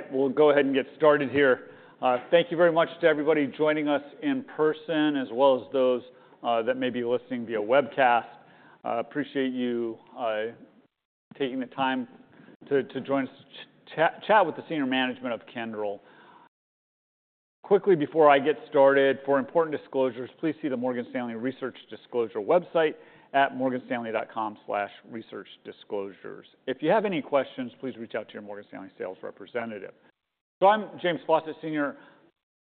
All right, we'll go ahead and get started here. Thank you very much to everybody joining us in person, as well as those that may be listening via webcast. Appreciate you taking the time to join us to chat with the senior management of Kyndryl. Quickly, before I get started, for important disclosures, please see the Morgan Stanley Research Disclosure website at morganstanley.com/researchdisclosures. If you have any questions, please reach out to your Morgan Stanley sales representative. So I'm James Fawcett, Senior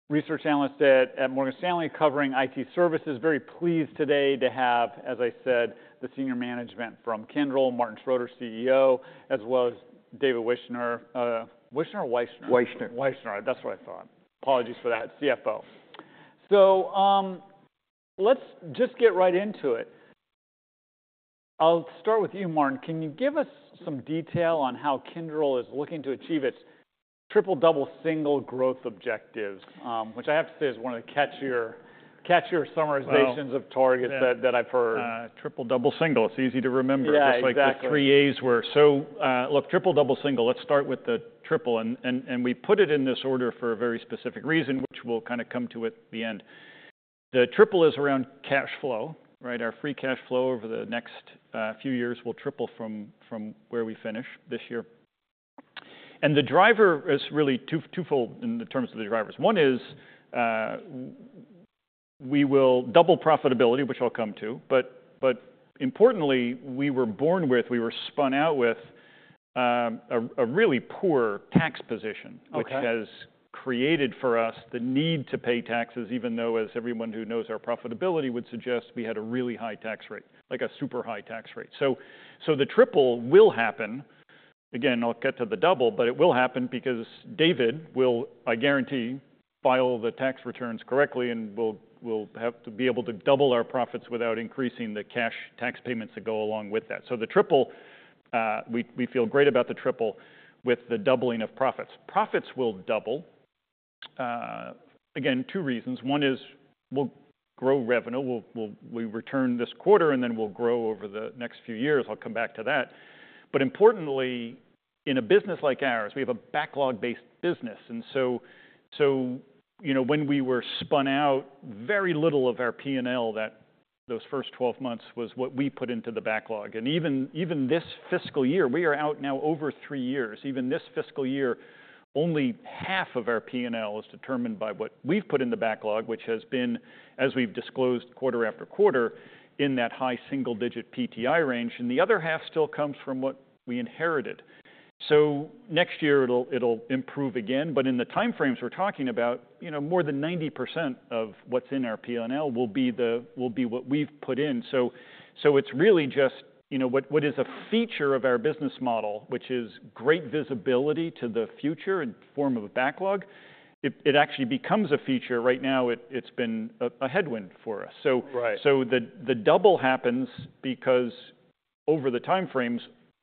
Research Analyst at Morgan Stanley, covering IT services. Very pleased today to have, as I said, the senior management from Kyndryl, Martin Schroeter, CEO, as well as David Wyshner. Wyshner or Weissner? Wyshner. Wyshner, that's what I thought. Apologies for that, CFO. So let's just get right into it. I'll start with you, Martin. Can you give us some detail on how Kyndryl is looking to achieve its triple, double, single growth objectives, which I have to say is one of the catchier summarizations of targets that I've heard. Triple, double, single, it's easy to remember. Yeah, exactly. Just like the three As were. So look, triple, double, single, let's start with the triple, and we put it in this order for a very specific reason, which we'll kind of come to at the end. The triple is around cash flow, right? Our free cash flow over the next few years will triple from where we finish this year. And the driver is really twofold in terms of the drivers. One is we will double profitability, which I'll come to, but importantly, we were born with, we were spun out with a really poor tax position, which has created for us the need to pay taxes, even though, as everyone who knows our profitability would suggest, we had a really high tax rate, like a super high tax rate. So the triple will happen. Again, I'll get to the double, but it will happen because David will, I guarantee, file the tax returns correctly and will have to be able to double our profits without increasing the cash tax payments that go along with that. So the triple, we feel great about the triple with the doubling of profits. Profits will double. Again, two reasons. One is we'll grow revenue. We return this quarter and then we'll grow over the next few years. I'll come back to that. But importantly, in a business like ours, we have a backlog-based business. And so when we were spun out, very little of our P&L that those first 12 months was what we put into the backlog. And even this fiscal year, we are out now over three years. Even this fiscal year, only half of our P&L is determined by what we've put in the backlog, which has been, as we've disclosed quarter after quarter, in that high single-digit PTI range. And the other half still comes from what we inherited. So next year it'll improve again. But in the timeframes we're talking about, more than 90% of what's in our P&L will be what we've put in. So it's really just what is a feature of our business model, which is great visibility to the future in the form of a backlog. It actually becomes a feature. Right now, it's been a headwind for us. So the double happens because over the timeframes,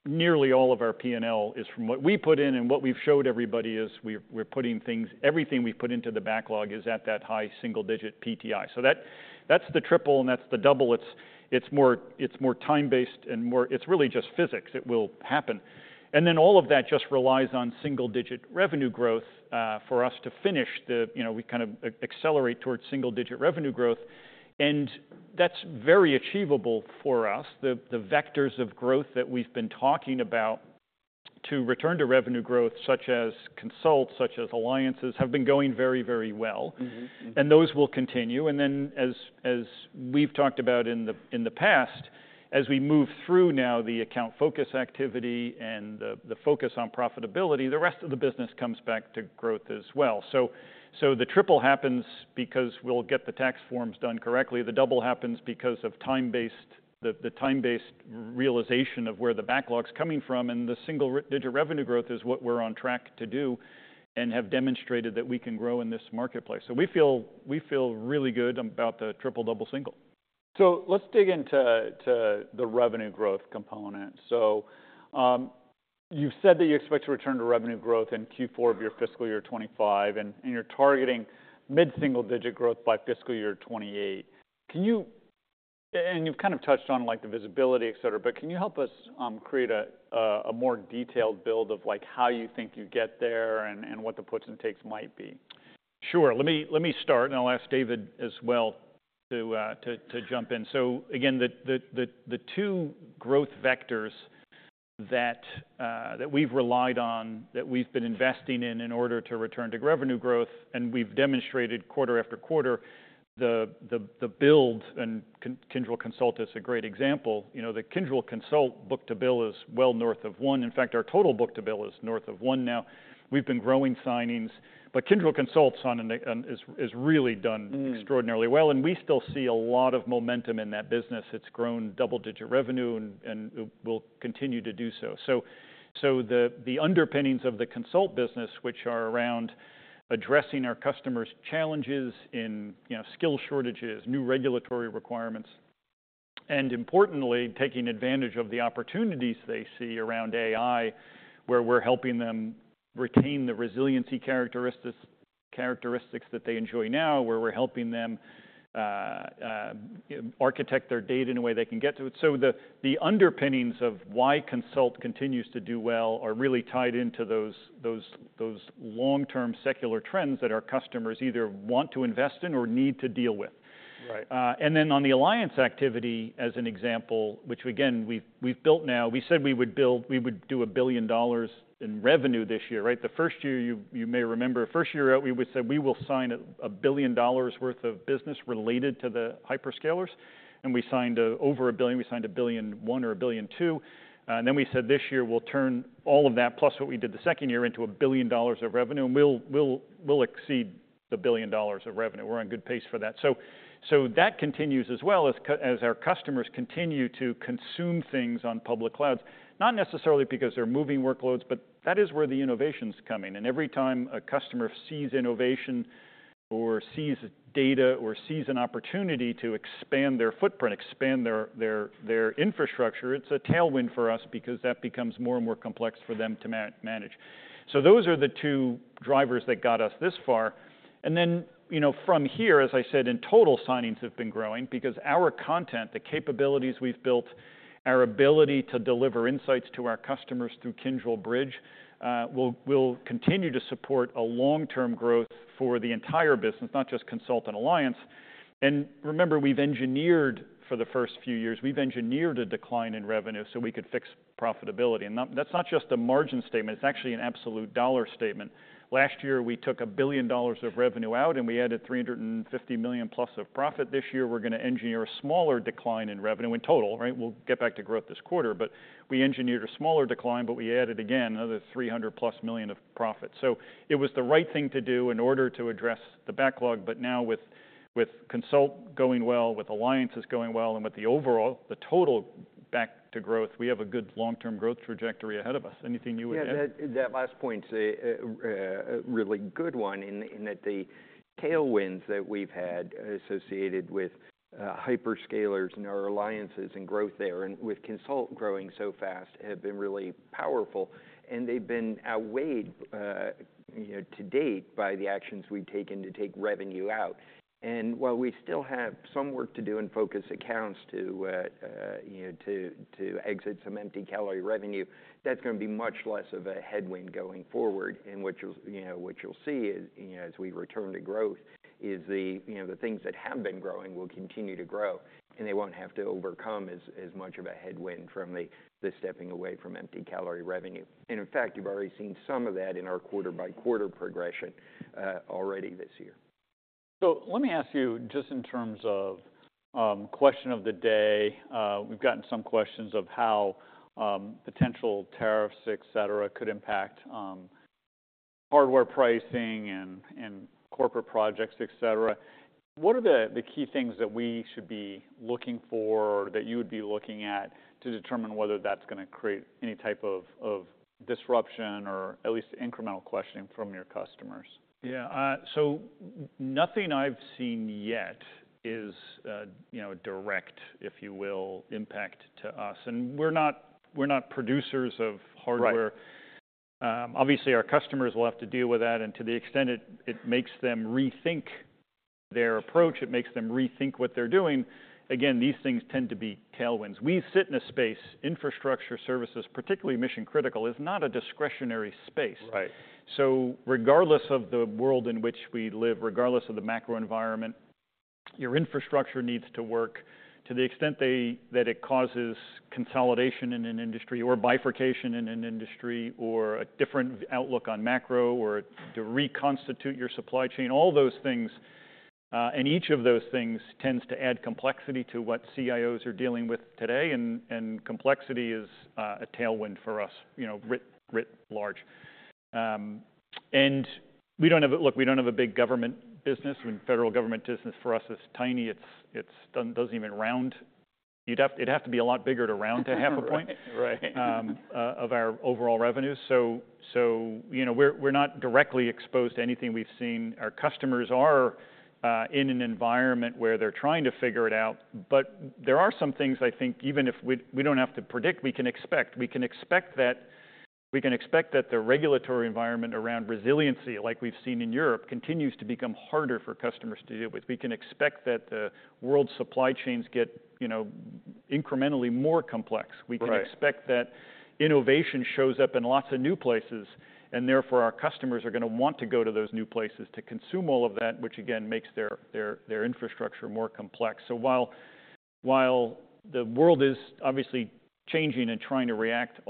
nearly all of our P&L is from what we put in. And what we've showed everybody is we're putting things, everything we've put into the backlog is at that high single-digit PTI. That's the triple and that's the double. It's more time-based and it's really just physics. It will happen, and then all of that just relies on single-digit revenue growth for us to finish, we kind of accelerate towards single-digit revenue growth, and that's very achievable for us. The vectors of growth that we've been talking about to return to revenue growth, such as Consult, such as Alliances, have been going very, very well, and those will continue, and then as we've talked about in the past, as we move through now the account focus activity and the focus on profitability, the rest of the business comes back to growth as well, so the triple happens because we'll get the cash flows done correctly. The double happens because of the time-based realization of where the backlog's coming from. And the single-digit revenue growth is what we're on track to do and have demonstrated that we can grow in this marketplace. So we feel really good about the triple, double, single. Let's dig into the revenue growth component. You've said that you expect to return to revenue growth in Q4 of your fiscal year 2025, and you're targeting mid-single-digit growth by fiscal year 2028. You've kind of touched on the visibility, et cetera, et cetera, but can you help us create a more detailed build of how you think you get there and what the puts and takes might be? Sure. Let me start, and I'll ask David as well to jump in. So again, the two growth vectors that we've relied on, that we've been investing in in order to return to revenue growth, and we've demonstrated quarter after quarter, the build, and Kyndryl Consult is a great example. The Kyndryl Consult book-to-bill is well north of one. In fact, our total book-to-bill is north of one now. We've been growing signings, but Kyndryl Consult has really done extraordinarily well. And we still see a lot of momentum in that business. It's grown double-digit revenue and will continue to do so. So the underpinnings of the Consult business, which are around addressing our customers' challenges in skill shortages, new regulatory requirements, and importantly, taking advantage of the opportunities they see around AI, where we're helping them retain the resiliency characteristics that they enjoy now, where we're helping them architect their data in a way they can get to it. So the underpinnings of why Consult continues to do well are really tied into those long-term secular trends that our customers either want to invest in or need to deal with. And then on the alliance activity, as an example, which again, we've built now. We said we would do $1 billion in revenue this year, right? The first year, you may remember, first year out, we said we will sign $1 billion worth of business related to the hyperscalers. And we signed over $1 billion. We signed $1.1 billion or $1.2 billion. And then we said this year we'll turn all of that, plus what we did the second year, into $1 billion of revenue. And we'll exceed the $1 billion of revenue. We're on good pace for that. So that continues as well as our customers continue to consume things on public clouds, not necessarily because they're moving workloads, but that is where the innovation's coming. And every time a customer sees innovation or sees data or sees an opportunity to expand their footprint, expand their infrastructure, it's a tailwind for us because that becomes more and more complex for them to manage. So those are the two drivers that got us this far. And then from here, as I said, in total, signings have been growing because our content, the capabilities we've built, our ability to deliver insights to our customers through Kyndryl Bridge, will continue to support a long-term growth for the entire business, not just Consult and Alliance. And remember, we've engineered for the first few years, we've engineered a decline in revenue so we could fix profitability. And that's not just a margin statement. It's actually an absolute dollar statement. Last year, we took $1 billion of revenue out and we added $350 million+ of profit. This year, we're going to engineer a smaller decline in revenue in total, right? We'll get back to growth this quarter, but we engineered a smaller decline, but we added again another $300 million+ of profit. So it was the right thing to do in order to address the backlog, but now with Consult going well, with alliances going well, and with the overall, the total back to growth, we have a good long-term growth trajectory ahead of us. Anything you would add? Yeah, that last point's a really good one in that the tailwinds that we've had associated with hyperscalers and our alliances and growth there and with Consult growing so fast have been really powerful. And they've been outweighed to date by the actions we've taken to take revenue out. And while we still have some work to do and focus accounts to exit some empty calorie revenue, that's going to be much less of a headwind going forward. And what you'll see as we return to growth is the things that have been growing will continue to grow, and they won't have to overcome as much of a headwind from the stepping away from empty calorie revenue. And in fact, you've already seen some of that in our quarter-by-quarter progression already this year. So let me ask you just in terms of question of the day. We've gotten some questions of how potential tariffs, et cetera, could impact hardware pricing and corporate projects, et cetera. What are the key things that we should be looking for or that you would be looking at to determine whether that's going to create any type of disruption or at least incremental questioning from your customers? Yeah. So nothing I've seen yet is a direct, if you will, impact to us. And we're not producers of hardware. Obviously, our customers will have to deal with that. And to the extent it makes them rethink their approach, it makes them rethink what they're doing. Again, these things tend to be tailwinds. We sit in a space, infrastructure services, particularly mission-critical, is not a discretionary space. So regardless of the world in which we live, regardless of the macro environment, your infrastructure needs to work to the extent that it causes consolidation in an industry or bifurcation in an industry or a different outlook on macro or to reconstitute your supply chain, all those things. And each of those things tends to add complexity to what CIOs are dealing with today. And complexity is a tailwind for us, writ large. We don't have a big government business. Federal government business for us is tiny. It doesn't even round. It'd have to be a lot bigger to round to half a point of our overall revenue. So we're not directly exposed to anything we've seen. Our customers are in an environment where they're trying to figure it out. But there are some things I think even if we don't have to predict, we can expect. We can expect that the regulatory environment around resiliency, like we've seen in Europe, continues to become harder for customers to deal with. We can expect that the world's supply chains get incrementally more complex. We can expect that innovation shows up in lots of new places, and therefore our customers are going to want to go to those new places to consume all of that, which again makes their infrastructure more complex. So while the world is obviously changing and trying to react,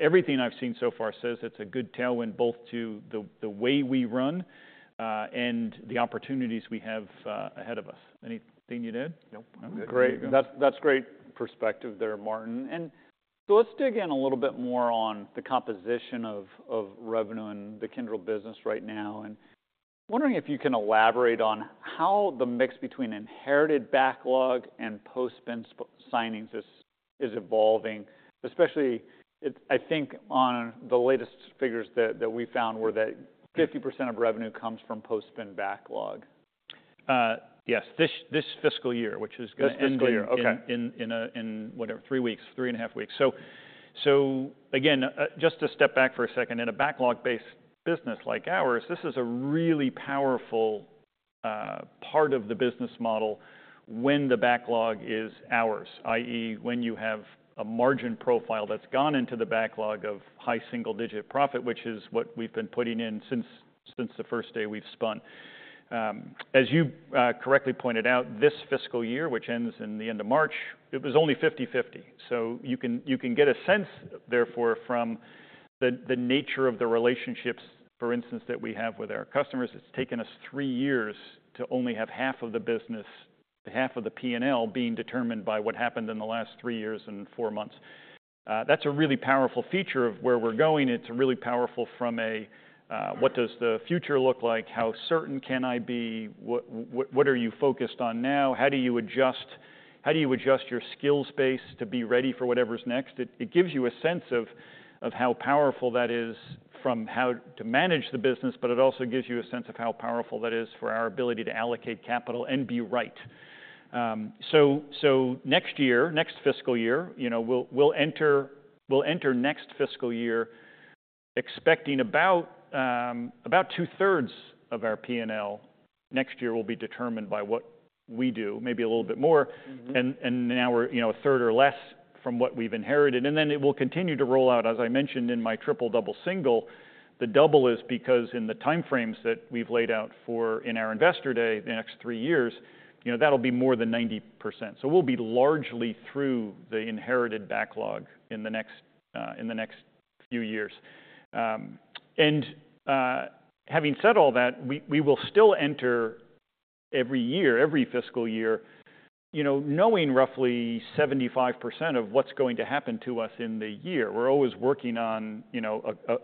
everything I've seen so far says it's a good tailwind both to the way we run and the opportunities we have ahead of us. Anything you'd add? Nope. That's great perspective there, Martin. And so let's dig in a little bit more on the composition of revenue in the Kyndryl business right now. And wondering if you can elaborate on how the mix between inherited backlog and post-spin signings is evolving, especially I think on the latest figures that we found were that 50% of revenue comes from post-spin backlog? Yes, this fiscal year, which is going to end in whatever, three weeks, three and a half weeks. So again, just to step back for a second, in a backlog-based business like ours, this is a really powerful part of the business model when the backlog is ours, i.e., when you have a margin profile that's gone into the backlog of high single-digit profit, which is what we've been putting in since the first day we've spun. As you correctly pointed out, this fiscal year, which ends in the end of March, it was only 50-50. So you can get a sense, therefore, from the nature of the relationships, for instance, that we have with our customers. It's taken us three years to only have half of the business, half of the P&L being determined by what happened in the last three years and four months. That's a really powerful feature of where we're going. It's really powerful from a, what does the future look like? How certain can I be? What are you focused on now? How do you adjust your skills base to be ready for whatever's next? It gives you a sense of how powerful that is from how to manage the business, but it also gives you a sense of how powerful that is for our ability to allocate capital and be right. So next year, next fiscal year, we'll enter next fiscal year expecting about two-thirds of our P&L next year will be determined by what we do, maybe a little bit more. And now we're a third or less from what we've inherited. And then it will continue to roll out, as I mentioned in my triple, double, single. The double is because in the timeframes that we've laid out for in our Investor Day the next three years, that'll be more than 90%. So we'll be largely through the inherited backlog in the next few years. And having said all that, we will still enter every year, every fiscal year, knowing roughly 75% of what's going to happen to us in the year. We're always working on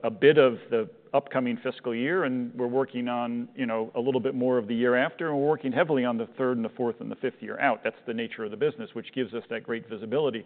a bit of the upcoming fiscal year, and we're working on a little bit more of the year after. And we're working heavily on the third and the fourth and the fifth year out. That's the nature of the business, which gives us that great visibility.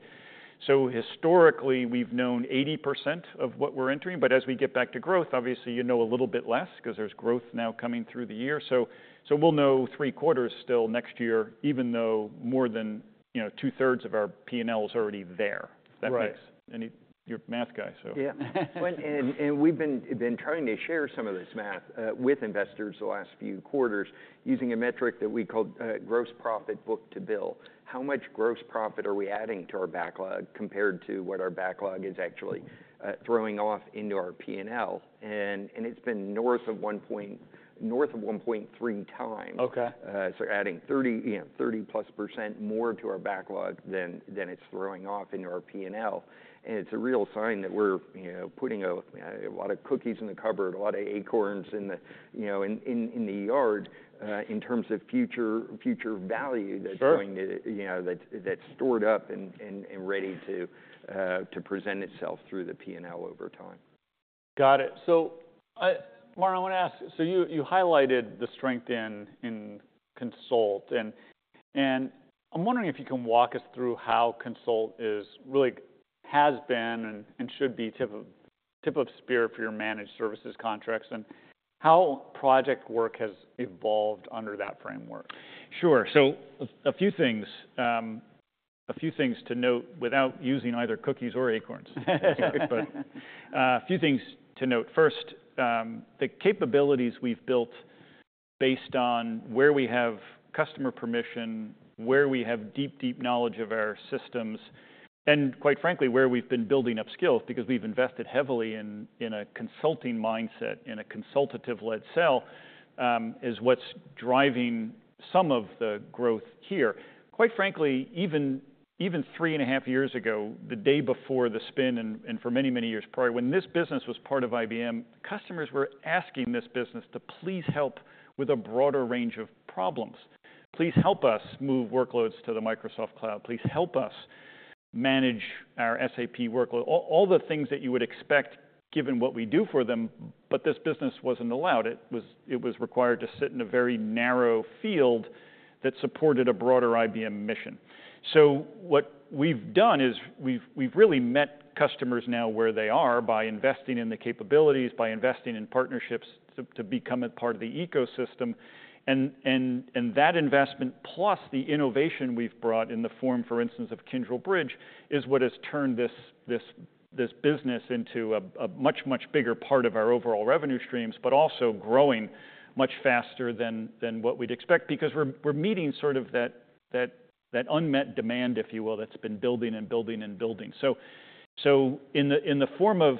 So historically, we've known 80% of what we're entering. But as we get back to growth, obviously, you know a little bit less because there's growth now coming through the year. So we'll know three-quarters still next year, even though more than2/3 of our P&L is already there, if that makes sense. You're a math guy, so. Yeah. We've been trying to share some of this math with investors the last few quarters using a metric that we called Gross Profit Book-to-Bill. How much gross profit are we adding to our backlog compared to what our backlog is actually throwing off into our P&L? It's been north of 1.3x. So adding 30%+ more to our backlog than it's throwing off into our P&L. It's a real sign that we're putting a lot of cookies in the cupboard, a lot of acorns in the yard in terms of future value that's stored up and ready to present itself through the P&L over time. Got it. So Martin, I want to ask, so you highlighted the strength in Consult. And I'm wondering if you can walk us through how Consult really has been and should be tip of spear for your managed services contracts and how project work has evolved under that framework? Sure, so a few things to note without using either cookies or acorns. A few things to note. First, the capabilities we've built based on where we have customer permission, where we have deep, deep knowledge of our systems, and quite frankly, where we've been building up skills because we've invested heavily in a Consulting mindset, in a Consultative-led sell, is what's driving some of the growth here. Quite frankly, even three and a half years ago, the day before the spin and for many, many years prior, when this business was part of IBM, customers were asking this business to please help with a broader range of problems. Please help us move workloads to the Microsoft Cloud. Please help us manage our SAP workload. All the things that you would expect given what we do for them, but this business wasn't allowed. It was required to sit in a very narrow field that supported a broader IBM mission. So what we've done is we've really met customers now where they are by investing in the capabilities, by investing in partnerships to become a part of the ecosystem, and that investment, plus the innovation we've brought in the form, for instance, of Kyndryl Bridge, is what has turned this business into a much, much bigger part of our overall revenue streams, but also growing much faster than what we'd expect because we're meeting sort of that unmet demand, if you will, that's been building and building and building, so in the form of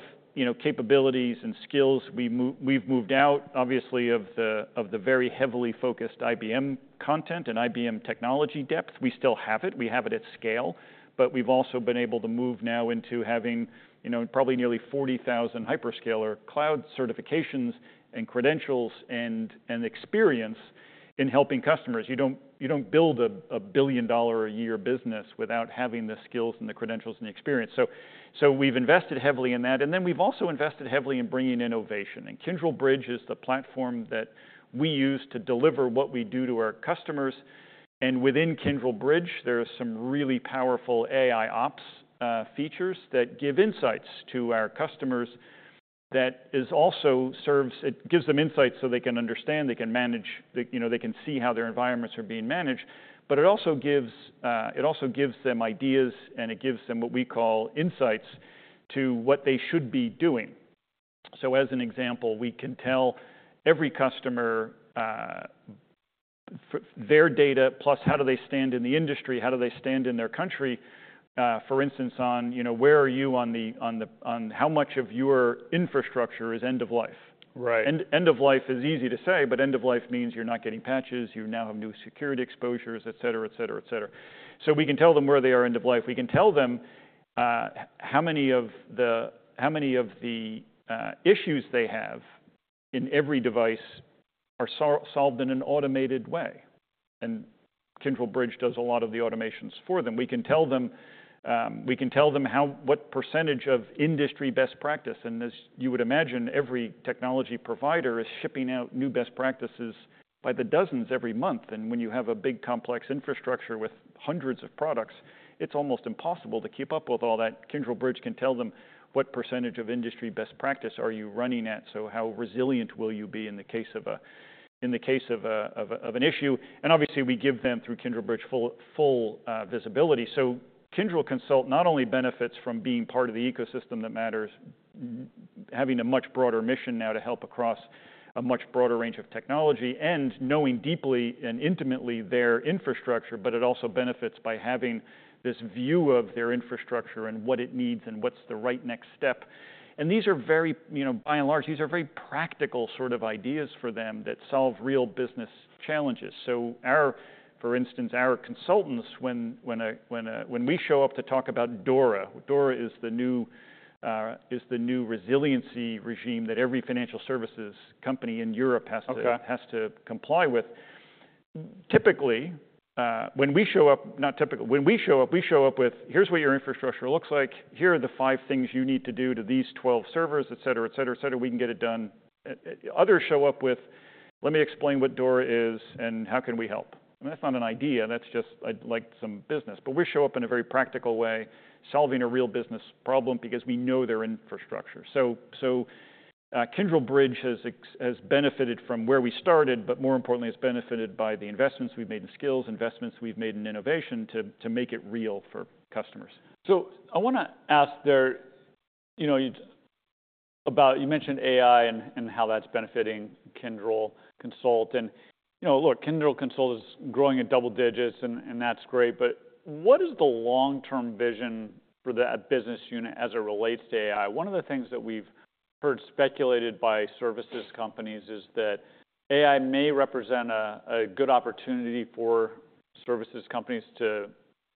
capabilities and skills, we've moved out, obviously, of the very heavily focused IBM content and IBM technology depth. We still have it. We have it at scale. But we've also been able to move now into having probably nearly 40,000 hyperscaler cloud certifications and credentials and experience in helping customers. You don't build a $1 billion-a-year business without having the skills and the credentials and the experience. So we've invested heavily in that. And then we've also invested heavily in bringing innovation. And Kyndryl Bridge is the platform that we use to deliver what we do to our customers. And within Kyndryl Bridge, there are some really powerful AIOps features that give insights to our customers that also serves. It gives them insights so they can understand, they can manage, they can see how their environments are being managed. But it also gives them ideas, and it gives them what we call insights to what they should be doing. So, as an example, we can tell every customer their data, plus how do they stand in the industry, how do they stand in their country, for instance, on where are you on how much of your infrastructure is end of life? End of life is easy to say, but end of life means you're not getting patches, you now have new security exposures, et cetera, et cetera, et cetera. So we can tell them where they are end of life. We can tell them how many of the issues they have in every device are solved in an automated way. And Kyndryl Bridge does a lot of the automations for them. We can tell them what percentage of industry best practice. And as you would imagine, every technology provider is shipping out new best practices by the dozens every month. When you have a big complex infrastructure with hundreds of products, it's almost impossible to keep up with all that. Kyndryl Bridge can tell them what percentage of industry best practice are you running at. So how resilient will you be in the case of an issue? And obviously, we give them through Kyndryl Bridge full visibility. So Kyndryl Consult not only benefits from being part of the ecosystem that matters, having a much broader mission now to help across a much broader range of technology and knowing deeply and intimately their infrastructure, but it also benefits by having this view of their infrastructure and what it needs and what's the right next step. And these are very, by and large, these are very practical sort of ideas for them that solve real business challenges. So for instance, our Consultants, when we show up to talk about DORA, DORA is the new resiliency regime that every financial services company in Europe has to comply with. Typically, when we show up, not typically, when we show up, we show up with, here's what your infrastructure looks like. Here are the five things you need to do to these 12 servers, et cetera, et cetera, et cetera. We can get it done. Others show up with, let me explain what DORA is and how can we help. I mean, that's not an idea. That's just, I'd like some business. But we show up in a very practical way, solving a real business problem because we know their infrastructure. So Kyndryl Bridge has benefited from where we started, but more importantly, has benefited by the investments we've made in skills, investments we've made in innovation to make it real for customers. So I want to ask there about, you mentioned AI and how that's benefiting Kyndryl Consult. And look, Kyndryl Consult is growing at double digits, and that's great. But what is the long-term vision for that business unit as it relates to AI? One of the things that we've heard speculated by services companies is that AI may represent a good opportunity for services companies to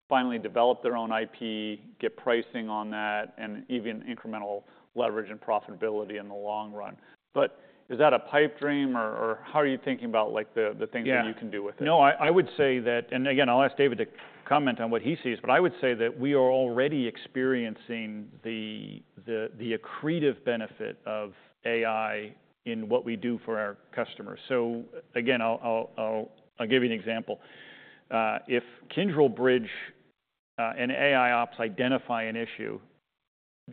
finally develop their own IP, get pricing on that, and even incremental leverage and profitability in the long run. But is that a pipe dream, or how are you thinking about the things that you can do with it? Yeah. No, I would say that, and again, I'll ask David to comment on what he sees, but I would say that we are already experiencing the accretive benefit of AI in what we do for our customers. So again, I'll give you an example. If Kyndryl Bridge and AIOps identify an issue,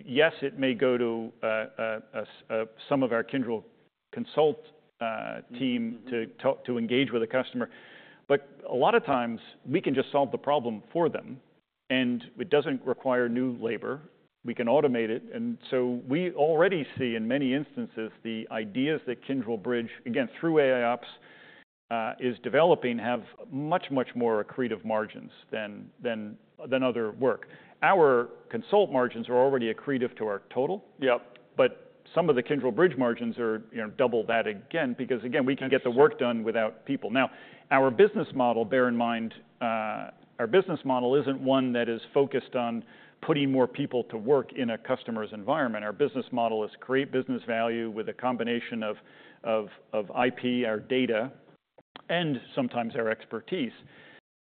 yes, it may go to some of our Kyndryl Consult team to engage with a customer. But a lot of times, we can just solve the problem for them, and it doesn't require new labor. We can automate it. And so we already see in many instances the ideas that Kyndryl Bridge, again, through AIOps, is developing have much, much more accretive margins than other work. Our Consult margins are already accretive to our total. But some of the Kyndryl Bridge margins are double that again because, again, we can get the work done without people. Now, our business model, bear in mind, our business model isn't one that is focused on putting more people to work in a customer's environment. Our business model is create business value with a combination of IP, our data, and sometimes our expertise.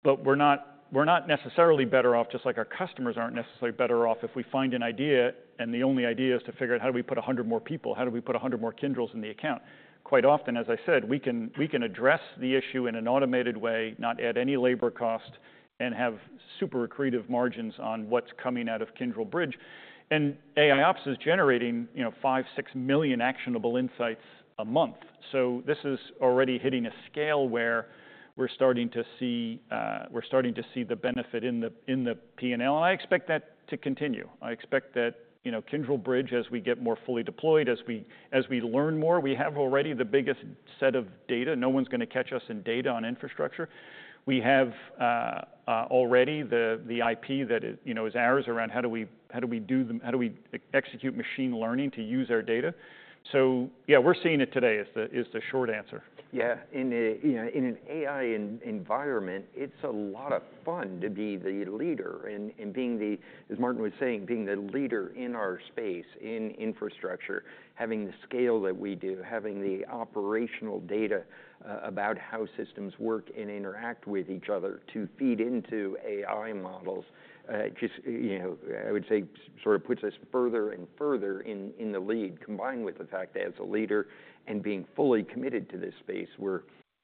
But we're not necessarily better off, just like our customers aren't necessarily better off if we find an idea and the only idea is to figure out how do we put 100 more people, how do we put 100 more Kyndryls in the account. Quite often, as I said, we can address the issue in an automated way, not add any labor cost, and have super accretive margins on what's coming out of Kyndryl Bridge. AIOps is generating 5 million-6 million actionable insights a month. This is already hitting a scale where we're starting to see the benefit in the P&L. I expect that to continue. I expect that Kyndryl Bridge, as we get more fully deployed, as we learn more, we have already the biggest set of data. No one's going to catch us in data on infrastructure. We have already the IP that is ours around how do we execute machine learning to use our data. Yeah, we're seeing it today is the short answer. Yeah. In an AI environment, it's a lot of fun to be the leader and, as Martin was saying, being the leader in our space, in infrastructure, having the scale that we do, having the operational data about how systems work and interact with each other to feed into AI models. I would say it sort of puts us further and further in the lead, combined with the fact that as a leader and being fully committed to this space, we're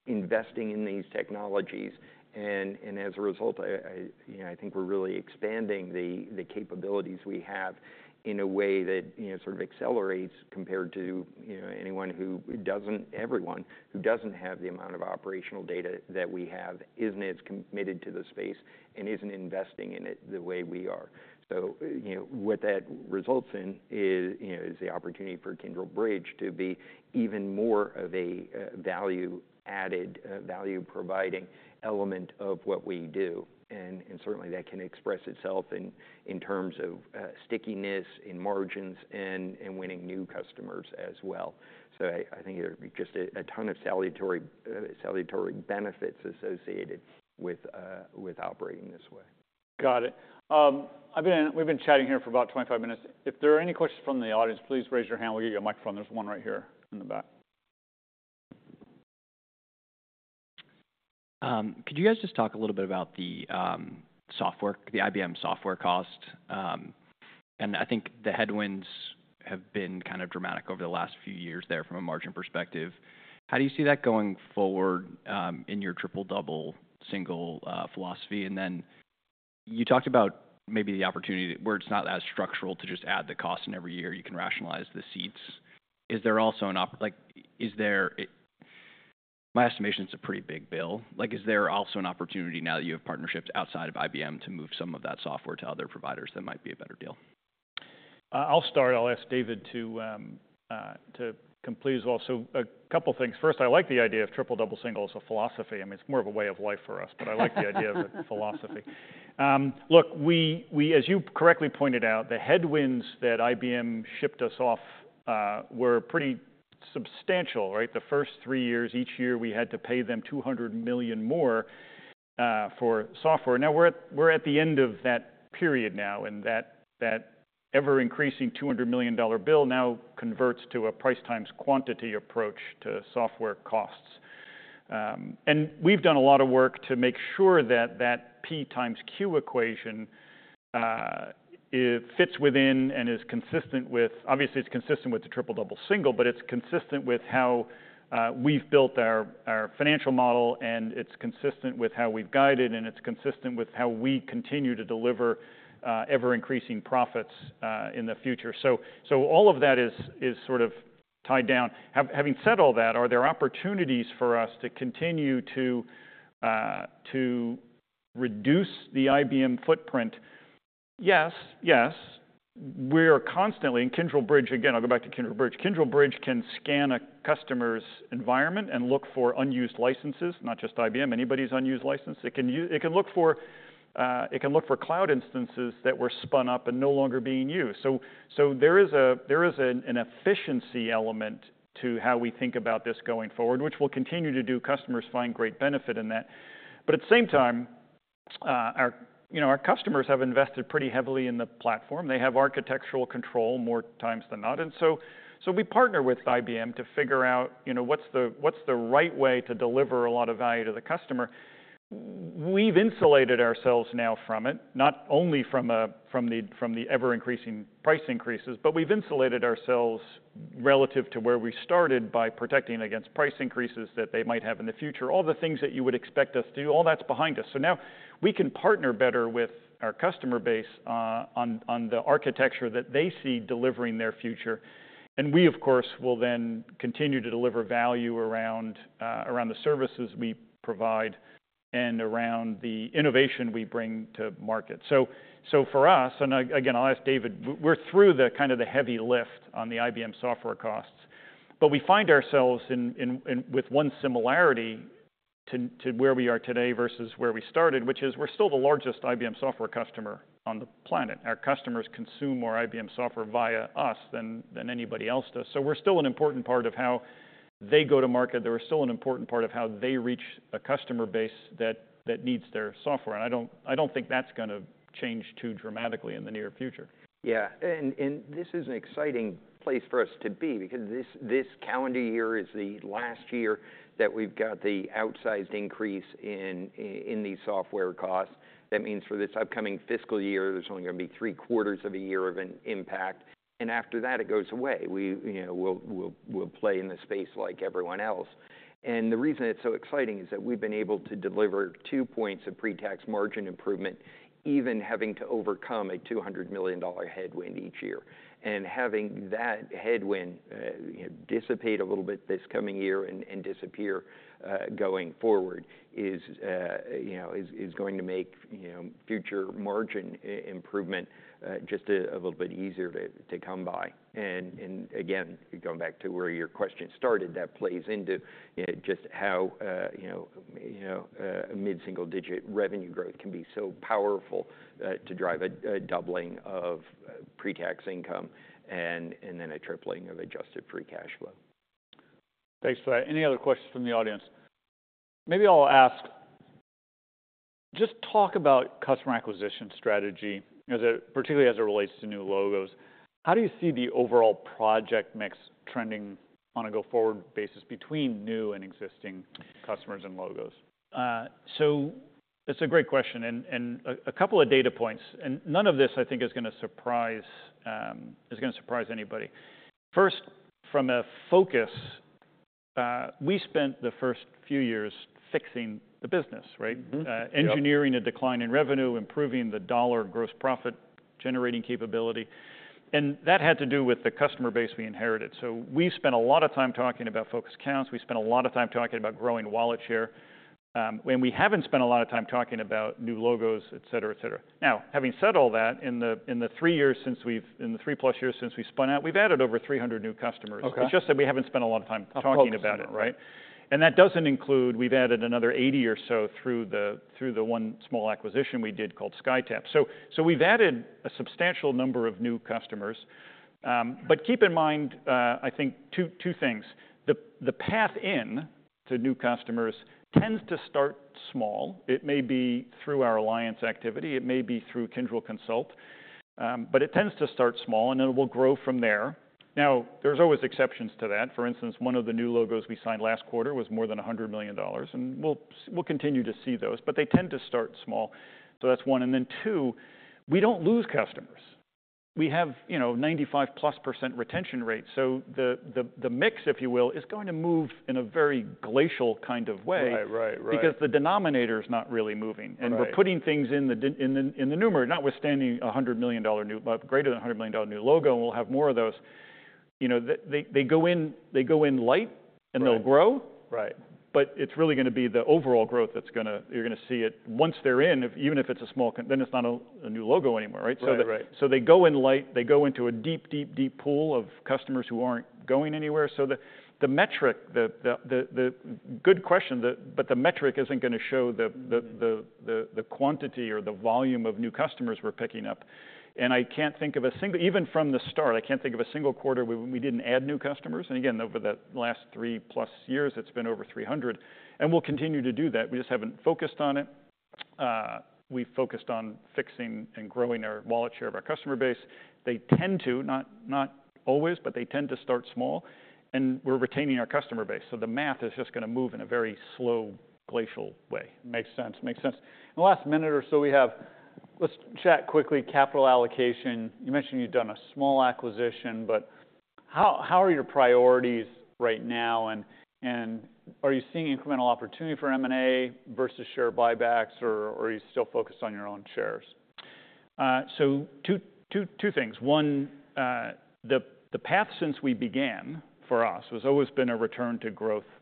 investing in these technologies. And as a result, I think we're really expanding the capabilities we have in a way that sort of accelerates compared to anyone who doesn't, everyone who doesn't have the amount of operational data that we have isn't as committed to the space and isn't investing in it the way we are. So what that results in is the opportunity for Kyndryl Bridge to be even more of a value-added, value-providing element of what we do. And certainly, that can express itself in terms of stickiness in margins and winning new customers as well. So I think there are just a ton of salutary benefits associated with operating this way. Got it. We've been chatting here for about 25 minutes. If there are any questions from the audience, please raise your hand. We'll get you a microphone. There's one right here in the back. Could you guys just talk a little bit about the software, the IBM software cost? And I think the headwinds have been kind of dramatic over the last few years there from a margin perspective. How do you see that going forward in your Triple, double, single philosophy? And then you talked about maybe the opportunity where it's not as structural to just add the cost in every year. You can rationalize the seats. Is there also an, my estimation is a pretty big bill. Is there also an opportunity now that you have partnerships outside of IBM to move some of that software to other providers that might be a better deal? I'll start. I'll ask David to complete as well. So a couple of things. First, I like the idea of triple, double, single as a philosophy. I mean, it's more of a way of life for us, but I like the idea of a philosophy. Look, as you correctly pointed out, the headwinds that IBM shipped us off were pretty substantial, right? The first three years, each year we had to pay them $200 million more for software. Now we're at the end of that period now, and that ever-increasing $200 million bill now converts to a price times quantity approach to software costs. We've done a lot of work to make sure that that P times Q equation fits within and is consistent with, obviously, it's consistent with the triple, double, single, but it's consistent with how we've built our financial model, and it's consistent with how we've guided, and it's consistent with how we continue to deliver ever-increasing profits in the future. So all of that is sort of tied down. Having said all that, are there opportunities for us to continue to reduce the IBM footprint? Yes, yes. We are constantly, and Kyndryl Bridge, again, I'll go back to Kyndryl Bridge. Kyndryl Bridge can scan a customer's environment and look for unused licenses, not just IBM, anybody's unused license. It can look for cloud instances that were spun up and no longer being used. So there is an efficiency element to how we think about this going forward, which we'll continue to do. Customers find great benefit in that. But at the same time, our customers have invested pretty heavily in the platform. They have architectural control more times than not. And so we partner with IBM to figure out what's the right way to deliver a lot of value to the customer. We've insulated ourselves now from it, not only from the ever-increasing price increases, but we've insulated ourselves relative to where we started by protecting against price increases that they might have in the future. All the things that you would expect us to do, all that's behind us. So now we can partner better with our customer base on the architecture that they see delivering their future. And we, of course, will then continue to deliver value around the services we provide and around the innovation we bring to market. So for us, and again, I'll ask David, we're through the kind of the heavy lift on the IBM software costs. But we find ourselves with one similarity to where we are today versus where we started, which is we're still the largest IBM software customer on the planet. Our customers consume more IBM software via us than anybody else does. So we're still an important part of how they go to market. They're still an important part of how they reach a customer base that needs their software. And I don't think that's going to change too dramatically in the near future. Yeah. And this is an exciting place for us to be because this calendar year is the last year that we've got the outsized increase in these software costs. That means for this upcoming fiscal year, there's only going to be three quarters of a year of an impact. And after that, it goes away. We'll play in the space like everyone else. And the reason it's so exciting is that we've been able to deliver two points of pre-tax margin improvement, even having to overcome a $200 million headwind each year. And having that headwind dissipate a little bit this coming year and disappear going forward is going to make future margin improvement just a little bit easier to come by. Again, going back to where your question started, that plays into just how a mid-single-digit revenue growth can be so powerful to drive a doubling of pre-tax income and then a tripling of adjusted free cash flow. Thanks for that. Any other questions from the audience? Maybe I'll ask, just talk about customer acquisition strategy, particularly as it relates to new logos. How do you see the overall project mix trending on a go-forward basis between new and existing customers and logos? So it's a great question and a couple of data points. And none of this, I think, is going to surprise anybody. First, from a focus, we spent the first few years fixing the business, right? Engineering a decline in revenue, improving the dollar gross profit generating capability. And that had to do with the customer base we inherited. So we spent a lot of time talking about focus counts. We spent a lot of time talking about growing wallet share. And we haven't spent a lot of time talking about new logos, et cetera, et cetera. Now, having said all that, in the three years since we've, in the three-plus years since we spun out, we've added over 300 new customers. It's just that we haven't spent a lot of time talking about it, right? And that doesn't include, we've added another 80 or so through the one small acquisition we did called Skytap. So we've added a substantial number of new customers. But keep in mind, I think, two things. The path in to new customers tends to start small. It may be through our alliance activity. It may be through Kyndryl Consult. But it tends to start small, and then it will grow from there. Now, there's always exceptions to that. For instance, one of the new logos we signed last quarter was more than $100 million. And we'll continue to see those, but they tend to start small. So that's one. And then two, we don't lose customers. We have 95%+ retention rate. So the mix, if you will, is going to move in a very glacial kind of way because the denominator is not really moving. And we're putting things in the numerator, notwithstanding a $100 million new, greater than $100 million new logo, and we'll have more of those. They go in light, and they'll grow. But it's really going to be the overall growth that's going to, you're going to see it once they're in, even if it's a small, then it's not a new logo anymore, right? So they go in light. They go into a deep, deep, deep pool of customers who aren't going anywhere. So the metric, the good question, but the metric isn't going to show the quantity or the volume of new customers we're picking up. And I can't think of a single, even from the start, I can't think of a single quarter we didn't add new customers. And again, over the last 3+ years, it's been over 300. And we'll continue to do that. We just haven't focused on it. We've focused on fixing and growing our wallet share of our customer base. They tend to, not always, but they tend to start small, and we're retaining our customer base so the math is just going to move in a very slow glacial way. Makes sense. Makes sense. In the last minute or so, we have. Let's chat quickly, capital allocation. You mentioned you've done a small acquisition, but how are your priorities right now? And are you seeing incremental opportunity for M&A versus share buybacks, or are you still focused on your own shares? So two things. One, the path since we began for us has always been a return to growth path.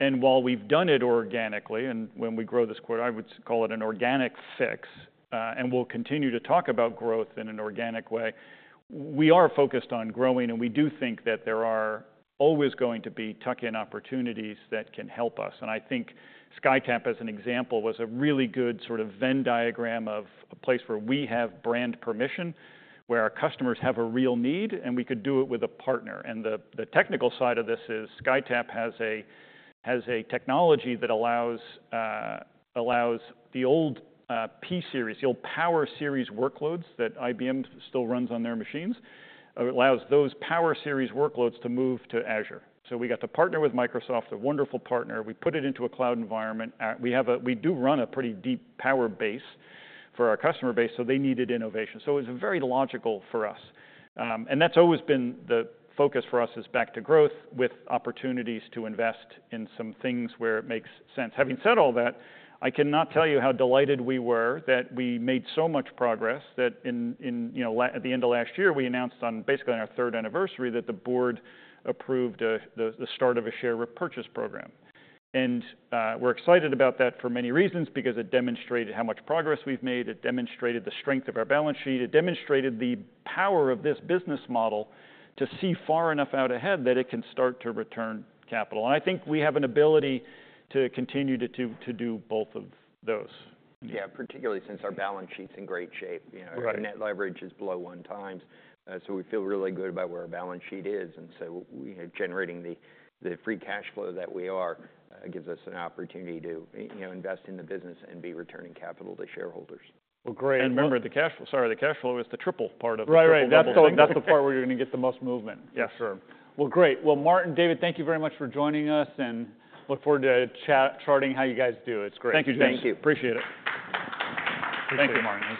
And while we've done it organically, and when we grow this quarter, I would call it an organic fix, and we'll continue to talk about growth in an organic way, we are focused on growing, and we do think that there are always going to be tuck-in opportunities that can help us. And I think Skytap, as an example, was a really good sort of Venn diagram of a place where we have brand permission, where our customers have a real need, and we could do it with a partner. And the technical side of this is Skytap has a technology that allows the old pSeries, the old Power series workloads that IBM still runs on their machines, allows those Power series workloads to move to Azure. So we got to partner with Microsoft, a wonderful partner. We put it into a cloud environment. We do run a pretty deep power base for our customer base, so they needed innovation. So it was very logical for us. And that's always been the focus for us is back to growth with opportunities to invest in some things where it makes sense. Having said all that, I cannot tell you how delighted we were that we made so much progress that at the end of last year, we announced on basically our third anniversary that the board approved the start of a share repurchase program. And we're excited about that for many reasons because it demonstrated how much progress we've made. It demonstrated the strength of our balance sheet. It demonstrated the power of this business model to see far enough out ahead that it can start to return capital, and I think we have an ability to continue to do both of those. Yeah, particularly since our balance sheet's in great shape. Our net leverage is below one times. So we feel really good about where our balance sheet is. And so generating the free cash flow that we are gives us an opportunity to invest in the business and be returning capital to shareholders. Great, and remember, the cash flow, sorry, the cash flow is the triple part of the cash flow. Right, right. That's the part where you're going to get the most movement. Yes, sir. Well, great. Well, Martin, David, thank you very much for joining us, and look forward to charting how you guys do. It's great. Thank you, James. Thank you. Appreciate it. Thank you, Martin.